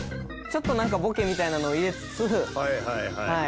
ちょっとなんかボケみたいなのを入れつつ。